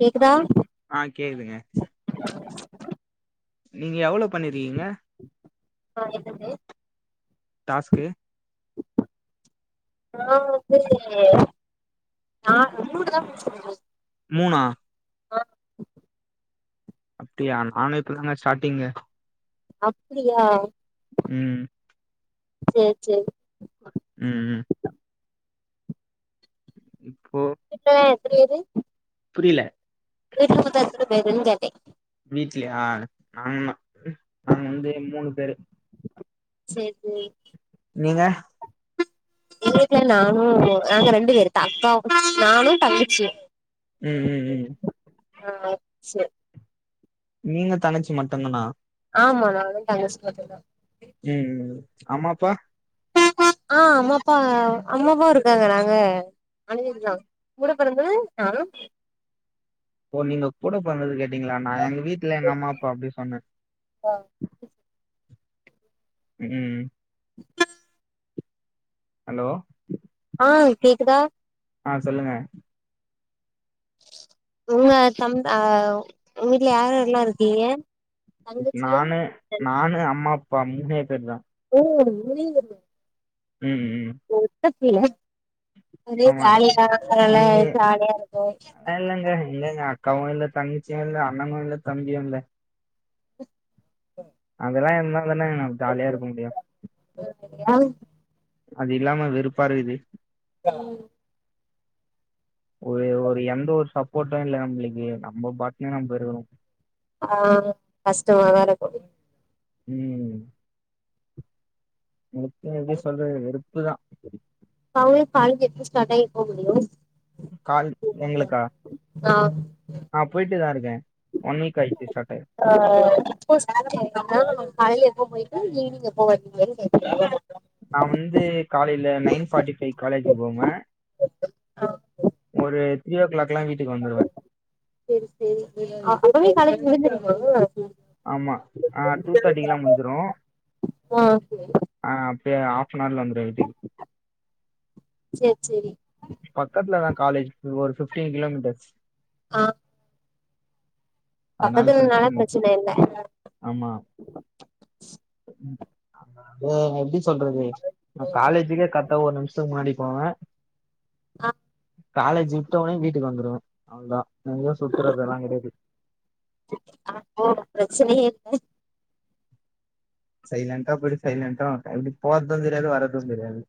கேக்குதா ஆ கேக்குதுங்க நீங்க எவ்ளோ பண்ணிருக்கீங்க நா எதுமே டாஸ்க்கு நா‌ வந்து நா மூணு தா முடிச்சிருந்தே மூணா அப்டியா நானு இப்பதாங்க ஸ்டார்ட்டிங்கு அப்புடியா ம் சேர் சேரி ம் ம் இப்போ இப்ப அப்புடியே இரு புரியல வீட்டுல மொத்தோ எத்தன பேருன்னு கேட்டே வீட்லயா நாங்கனா நாங்க வந்து மூணு பேரு சேரி நீங்க எங்க வீட்டுல நானு நாங்க ரெண்டு பேரு தா அக்காவு நானு தங்கச்சியு ம் ம் ம் ஆ சேரி நீங்க தங்கச்சி மட்டு்ந்தானா ஆமா நானு தங்கசி மாட்டுந்தா ம் ம் அம்மா அப்பா ஆ அம்மாப்பா அம்மா அப்பாவு இருக்காங்க நாங்க நாலு பேரு தா கூடப் பெறந்தது நானு ஓ நீங்க கூட பொறந்தது கேட்டீங்களா நா எங்க வீட்ல எங்க அம்மா அப்பா அப்டி சொன்னே ஆ ம் ஹலோ ஆ கேக்குதா ஆ சொல்லுங்க உங்க சம் ஆ உங்க வீட்டுல யார் யாருலா இருக்கீங்க தங்கச்சியா நானு நானு அம்மா அப்பா முணே பேர் தா ஓ மூணே பேர் தா ம் ம் ஒத்தப் புள்ள ஒரே ஆமா ஜாலிதா அதனாலா ஜாலியா இருக்கு ஆ இல்லங்க எங்கங்க அக்காவு இல்ல தங்கசியு இல்ல அண்ணு இல்ல தம்பியு இல்ல அதெல்லா இருந்தா தானே ஜாலியா இருக்க முடியு கேக்குரியா அது இல்லாம வெறுப்பாருக்குது க ஒரு ஒரு எந்த ஒரு சப்போர்ட்டு‌ இல்ல நம்பளுக்கு நம்ப பாட்ல நம்ப இருக்கணு ஆ‌ கஸ்டமாதாருக்கு ம் எப்ப எப்டி சொல்றது வெறுப்பு தா அவுங்ளுக் காலேஜ் எப்போ ஸ்டார்ட் ஆகி எப்போ முடியு கால் எங்களுக்கா ஆ ஆ போயிட்டு தாருக்கே ஒன் வீக் ஆயிட்டு ஸ்டாட் ஆகி ஆ இப்ப காலைய எப்போ போயிட்டு ஈவினிங் எப்போ வருவீங்கனு கேட்டே நா வந்து காலைல நைன் ஃபார்ட்டி ஃபைவ்க் காலேஜுக்கு போவே ஒரு த்ரீ ஓ கிளாக்ல்லா வீட்டுக்கு வந்துடுவே சேரி அப்பவே காலேஜ் முடிஞ்சிடுமா ஆமா ஆ டூ தேர்ட்டிக்குலா முடிஞ்சிரு ஆ சேரி ஆ அப்டியே ஆஃப் நவர்ல வந்துருவே வீட்டுக்கு சேரி சேரி பக்கத்துலதா காலேஜ் ஒரு ஃபிப்டீன் கிலோமீட்டர்ஸ் ஆ பக்கத்துனால பிரச்சன இல்ல ஆமா ம் எப்டி சொல்றது நா காலேஜுக்கே கரட்டா ஒரு நிமிஷத்துக்கு முன்னாடி போவே ஆ காலேஜ் வுட்ட உடனே வீட்டுக்கு வந்துடுவே அவளோ தா எங்கயு சுத்துறதுல்லா கெடையாது பிரச்சனயே இல்ல சைலண்டா போய்ட்டு சைலண்டட்டா வந்துறுவே எப்டி போறது தெரியாது வர்றது தெரியாது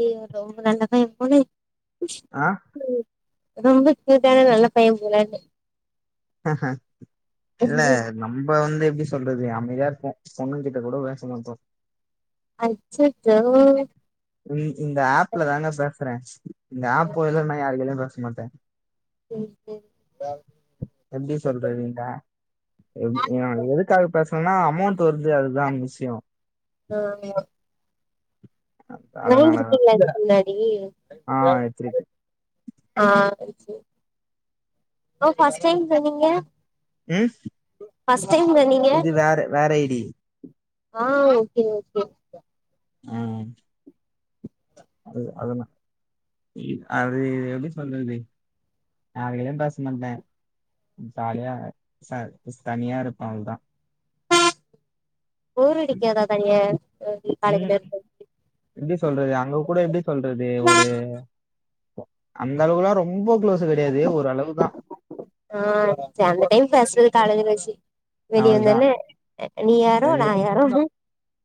ஏ ரொம்ப நல்லப் பையன் போல ஆ ம் ரொம்ப ஸ்மூத்தான நல்ல பையன் போலனே ம் ஹும் இல்ல நம்ப வந்து எப்டி சொல்றது அமைதியாருப்போ பொண்ணுங்ககிட்ட கூட பேசமாட்டோ அச்சச்சோ இ இந்த ஆப்ல தாங்க பேசுறே இந்த ஆப் போயில நா யாருக்கைலயு பேச மாட்டே [unintelligible] எப்டி சொல்றது நீங்க எ எதுக்காக பேசணுனா அமௌண்ட் வருது அதுதா விஷயோ ஆ அதனாலதா வாங்கிருக்கீங்களா இதுக்கு முன்னாடி ஆ எடுத்துருக்கே ஆ ஓகே ஃபஸ்ட் டைம் சொன்னீங்க ம் ஃபஸ்ட் டைம்ல சொன்னீங்க இது வேற வேற ஐடி ஆ ஓகே ஓகே ம் அது அதெல்லா அது எப்டி சொல்றெது ஆகையு பேசமாட்ட ஜாலியா ச மிஸ் தனியா இருப்பெ அவளோதா போர் அடிக்காத தனியா இருக்க ம் எப்டி சொல்றது அங்க கூட எப்டி சொல்றது ஒரு அந்த அளவுல்லா ரொம்ப க்ளோஸு கடையாது ஓரு அளவுதா ஆ அந்த டைம் பேச்றது காலேஜ் ல வெச்சி வெளிய அவ்ளதா வந்தொன்னே அ நீ யாரோ நா வெளிய யாரோ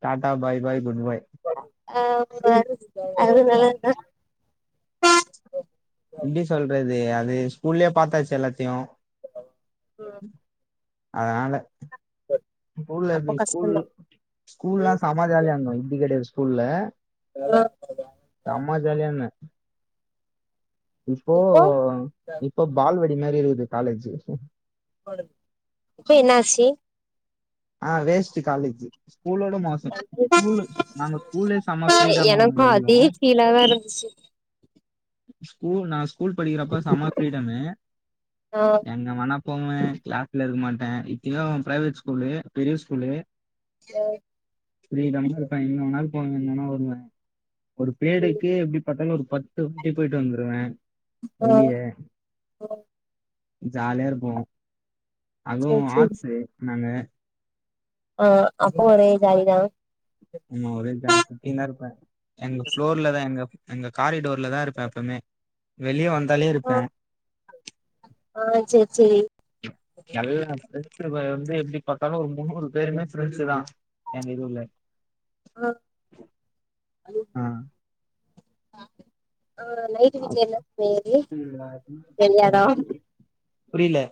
டாட்டா பாய் பாய் குட் பாய் ஆ அவரு நல்லா இருக்காரா எப்டி சொல்றது அது ஸ்கூல்லே பாத்தாச்சு எல்லாத்தியு அதனால ஸ்கூல் அப்போ எப்டி ஸ்கூல் கஷ்டந்தா ஸ்கூல்லா சா அம்மா ஜாலியாந்தும் இப்டி கெடயாது ஸ்கூல்ல ரனால் சம்ம ஜாலியா என்ன இப்போ இப்போ பால்வடி மாரி இருக்குது காலேஜு இப்பே என்னாசி ஆ வேஸ்ட்டு காலேஜி ஸ்கூல உட மோசொம் ஸ்கூல் நாங்க ஸ்கூல்லே செம ஃப்ரீடம்மா வந்து எனக்கு இருந்தோ அதே ஃபீலாதா இருந்துச்சு ஸ்கூல் நா ஸ்கூல் படிக்கறப்ப செம ஃப்ரீடம்மு ஆ என் நா மனபோம க்ளாஸ்ல இருக்க மாட்டே இப்ப ப்ரைவேட் ஸ்கூலு பெரிய ஸ்கூல்லு சேரி ஃப்ரீடமா இருப்பே இங்கவேணாலு போவே எங்க வேணா வருவே ஒரு பேடுக்கு எப்டி பாத்தாலு ஒரு பத்து வாட்டி போய்ட்டு வந்துருவே ஆ வெளிய ஜாலியா இருக்கு அதுவு சேரி சேரி ஆட்ஸு நானு ஆ அப்போ ஒரே ஜாலி தா ஆமா ஒரே ஜாலி‌ சுத்தின்னே இருப்பே எங்க ஃப்ளோர்ல தா எங்க எங்க காரிடோர்ல தா இருப்பே எப்பொமே வெளிய வந்தாலே ஆ இருப்பே ஆ சேரி சேரி எல்லா ஃப்ரெண்ட்ஸ் அ வந்து எப்டி பாத்தாலு ஒரு முன்னூறு பேருமே ஃப்ரெண்ட்ஸு தா எங்க இதுல ஆ ஆ ஆ ஆ நைட்டு விஜ என்ன பேரு வெளையாடலாம் புரில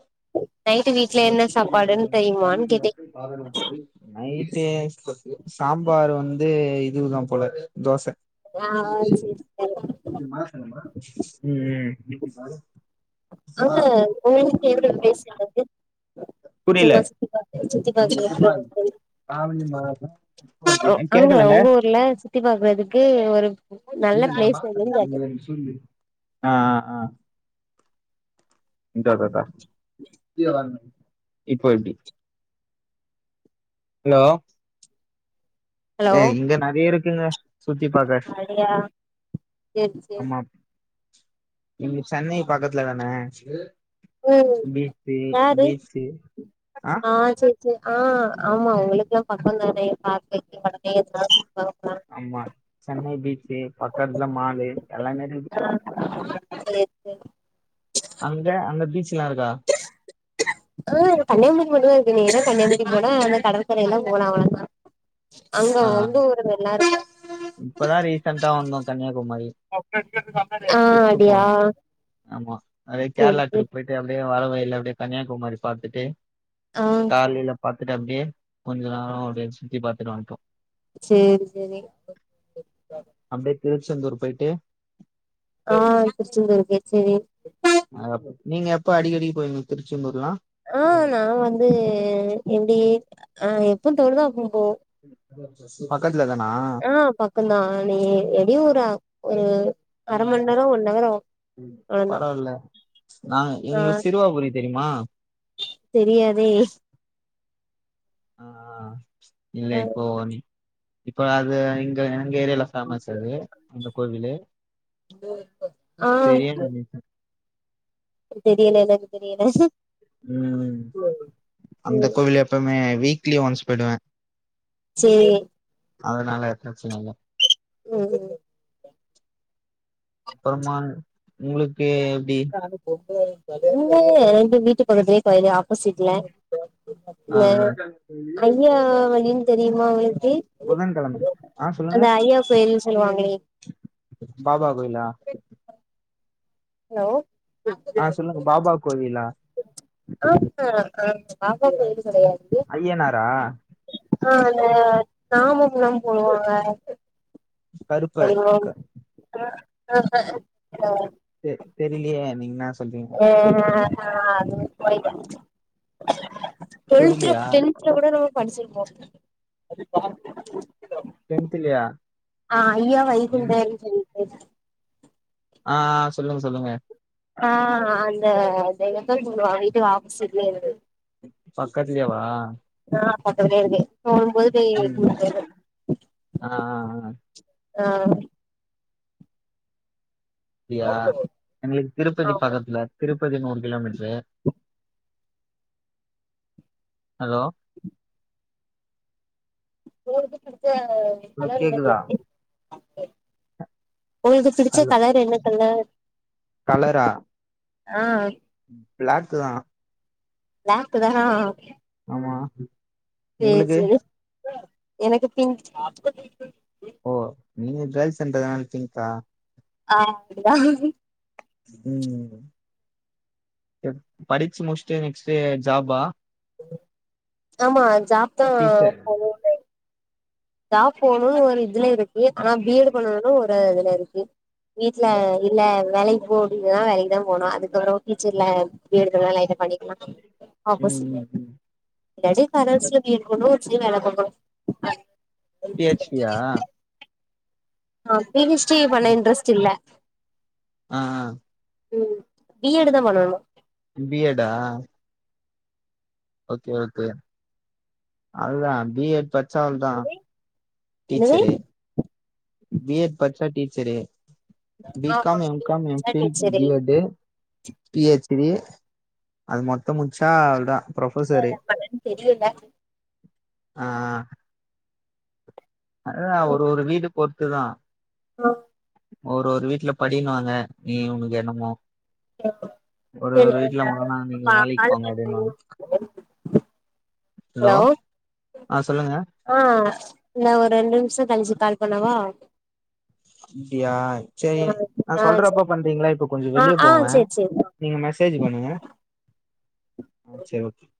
நைட்டு வீட்ல என்ன சாப்பாடுன்னு தெரியுமான்னு கேட்டே பாதன ஃபிஷ் நைட்டு சாம்பாரு வந்து இதுதா போல தோச ஆ சேரி சேரி இது மா செணுமா ம் ம் ஆமா உங்களுக்கு எவ்ளோ பேசுனது இருக்கு புரில சும்மா சுத்தி பாக்க சுத்தி பாத்துக்கலா இல்ல கோயிலுக்கு ஆரஞ்சி‌ பழோ இருக்கா அ உ அங்க உங்க ஊர்ல சுத்தி பாக்குறதுக்கு ஒரு நல்ல இனு நா பிளேஸ் எதுன்னு கேட்டே மாத்துறே சொல்லு ஆ ஆ இதா இதா இதா வீடியோ ஆன் பண்ணு இப்போ எப்டி ஹலோ ஹலோ எ இங்க நெறையா இருக்குங்க சுத்தி பாக்க அப்டியா சேரி சேரி ஆமா இங்க சென்னை பக்கத்துல தான ம் பீச்சு யாரு பீச்சு ஆ செர் செ ஆ ஆமா உங்ளுக்கு எல்லா பக்கம் தானே பாத்து [unintelligible] ஆமா சென்னை பீச்சு பக்கத்துல மாலு எல்லாமே இருக்கு செர் அங்க அங்க பீச் எல்லாம் இருக்கா ஆ கன்னியாகுமரி மட்டும் தான் இருக்கு நேரா கன்னியாகுமரிக் போனா அந்த கடற்கரை எல்லாம் போலாம் அவ்ளோ தான் அங்க ஆ வந்து ஒரு [inaudible] இப்பதான் ரீசன்டா வந்தோம் கன்னியாகுமரி ஆ ட்ரிப்பு அப்டியா போனோம் ஆமா அதே சேரி கேரளா சேரி ட்ரிப் போய் ட்டு அப்டியே வரவழியில அப்டியே கன்னியாகுமரி பாத்துட்டு ஆ காலைல பாத்துட்டு அப்டியே கொஞ்ச நேரம் அப்டியே சுத்தி பாத்துட்டு வந்ட்டோம் சேரி சேரி அப்டியே‌ திருச்செந்தூர் போய்ட்டு ஆ திருச்செந்தூர்க்கே செரி அ நீங்க எப்ப அடிக்கடி போவீங்க திருச்செந்தூர் எல்லா ஆ நா வந்து எப்டி அ எப்போ தோனுதோ அப்போ போவோ பக்கத்துல தானா ஆ பக்கம்தான் நீ எப்டி ஒரு ஒரு அர மண் நேரோ ஒன் ஹவர் ஆவு அவ்ளோதா பரவால நா ஆ எங்க சிறுவாபுரி தெரியுமா தெரியாதே ஆ இல்ல இப்போ நீ இப்ப அது இங்க எங்க ஏரியால ஃபேமஸ் அது இந்த கோவிலு ஆ பெரிய நன்னிசன் தெரியல எனக்கு தெரியல உம் அந்த கோவில்ல எப்பமே வீக்லி ஒன்ஸ் போயிடுவேன் சேர் அதனால பிரச்சன இல்ல ம் அப்புறமா உங்ளுக்கு எப்டி இங்க எங்க வீட்டு பக்கத்துலே கோயிலு ஆப்போசிட்ல ஆ இல்ல ஐயா வழினு தெரியுமா ஒங்ளுக்கு புதன்கெழம ஆ அந்த சொல்லுங்க ஐயா கோயில்ன்னு சொல்லுவாங்ளே பாபா கோயிலா ஹலோ ஆ சொல்லுங்க பாபா கோவிலா ஆஹா அது பாபா கோயில் கிடையாது அய்யனாரா ஆ அந்த நாமம்ல்லாம் போடுவாங்க கருப்பர் க- [inaudible] தெர் தெரியலையே நீங்க என்னா சொல்றீங்க ஹ அது [inaudible] தெரிலியா டென்த் டென்த்ல கூட நம்ம படிச்சிருப்போம் டென்த்லயா அய்யா வைகுண்டர் வீட்ல விசேசம் ஆ ஆ சொல்லுங்க சொல்லுங்க ஆ அந்த எனக்கும் பண்ணுவாங்க வீட்டுக்கு ஆப்போசிட்ல இருக்கு பக்கத்துலயே வா ஆ பாத்துட்டே இருக்கே தூங்கும் போது ம் ஆ ஆ ஆ ஆ இல்லையா எங்களுக்கு திருப்பதி ஆமா பக்கத்துல திருப்பதி நூறு கிலோமீட்டரு ஹலோ போதும்னு படிச்சா ஹலோ கேக்குதா [unintelligible] உங்களுக்கு பிடிச்ச கலர் என்ன கலர் கலரா ஆ பிளாக் தான் பிளாக்கு தான்னா ஆமா சேர் உங்களுக்கு சேரி எனக்கு பின்க் ஓ நீங்க ஜாதி சென்ட் அடிப்பீங்கக்கா ஆ அதுதான் ம் படிச்சு முடிச்சிட்டு நெக்ஸ்ட் ஜாப்பா ஆமா ஜாப் தா டீச்சர் போணு ஜாப் போணுன்னு ஒரு இதுல இருக்கு ஆனா பியெடு பண்ணன்ணு ஒரு இதுல இருக்கு வீட்ல இல்ல வேலைக் போ அப்டின்னா வேலைக் தா போனு அதுக்கப்ற டீச்சர்ல பியெடுக்குனா லைட்ட பண்ணிக்கலா ஆப்போசிட் ம் நெஜ கரஸ்ல பி எட் பண்ணுணா வச்சிகோங்க நல்லது தா பி எச் டியா ஆ பி ஹச் டி பண்ண இன்ட்ரஸ்ட் இல்ல ஆ ஆ ம் பி ஏ டு தா பண்ணனு பி எட்டா ஒகே ஒகே அதா பி எட் பச்சா அவ்ளோதா என்னது டீச்சரு பியெட் படிச்சா டீச்சரு பி ஆமா காம் எம் காம் எம் டீச்சரா fill teacher B A to P H D அது மொத்த முட்ச்சா அவ்ள்தா ஃப்ரொஃபசரு என்ன பண்ணனு தெரியல ஆ ஆ அதா ஒரு ஒரு வீடு பொர்த்துதா ஆ ஒரு ஒரு வீட்ல படின்னுவாங்க நீ உங்களுக்கு என்னமோ ஒரு சரி ஒரு வீட்ல முன்னன்னா நீங்க நா வேலைக் கால் போங்க பண்றே அப்டின்னுவாங்க ஹலோ ஆ சொல்லுங்க ஆ நா ஒர் ரெண்டு நிமிஷோ கழ்ச்சி கால் பண்ணவா அப்டியா செரி ஆ நா ஆ சொல்றப்ப சரி பண்றீங்ளா இப்ப கொஞ்சோ ஆ வெளிய ஆ போவே சரி சரி நீங்க மெசேஜ் பண்ணுங்க ஆ சேர் ஓகே